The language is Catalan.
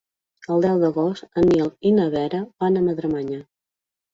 El deu d'agost en Nil i na Vera van a Madremanya.